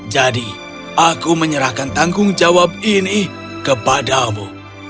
jadi aku menyerahkan tanggung jawab ini kepadamu